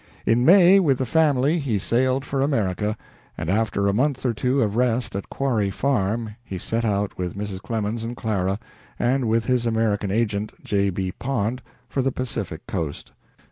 In May, with the family, he sailed for America, and after a month or two of rest at Quarry Farm he set out with Mrs. Clemens and Clara and with his American agent, J. B. Pond, for the Pacific coast.